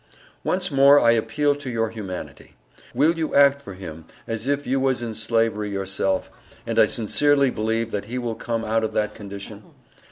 Once more I appeal to your Humanity. Will you act for him, as if you was in slavery yourself, and I sincerely believe that he will come out of that condition?